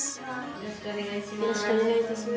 よろしくお願いします。